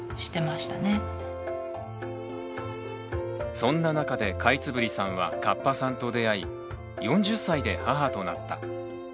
そんな中でカイツブリさんはカッパさんと出会い４０歳で母となった。